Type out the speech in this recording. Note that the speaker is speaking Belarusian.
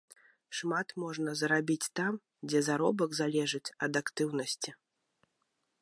Шмат можна зарабіць там, дзе заробак залежыць ад актыўнасці.